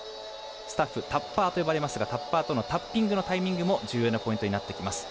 スタッフ、タッパーと呼ばれますがタッパーとのタッピングのタイミングも重要なポイントになってきます。